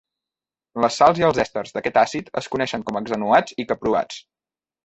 Les sals i els èsters d'aquest àcid es coneixen com a hexanoats i caproats.